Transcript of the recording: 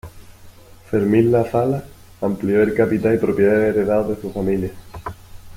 Fermín Lasala amplió el capital y propiedades heredados de su familia.